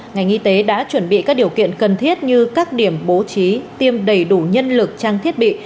ngành y tế đã chuẩn bị các điều kiện cần thiết như các điểm bố trí tiêm đầy đủ nhân lực trang thiết bị